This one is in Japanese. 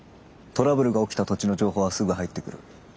トラブルが起きた土地の情報はすぐ入ってくる。